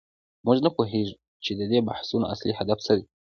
موږ نه پوهیږو چې د دې بحثونو اصلي هدف څه دی.